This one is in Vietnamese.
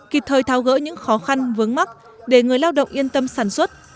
kịp thời thao gỡ những khó khăn vướng mắt để người lao động yên tâm sản xuất